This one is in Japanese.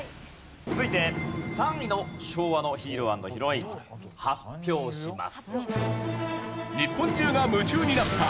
続いて３位の昭和のヒーロー＆ヒロイン発表します。